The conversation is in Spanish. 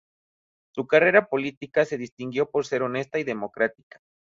Su carrera política se distinguió por ser honesta y democrática.